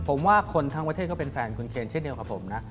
ผมว่าคนทั้งประเทศก็เป็นแฟนคุณเคนเช่นเดียวกับผมนะ